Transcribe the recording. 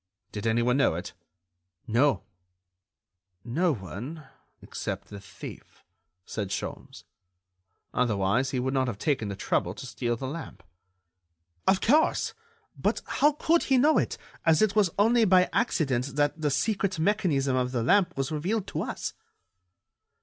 "Did anyone know it?" "No." "No one—except the thief," said Sholmes. "Otherwise he would not have taken the trouble to steal the lamp." "Of course. But how could he know it, as it was only by accident that the secret mechanism of the lamp was revealed to us."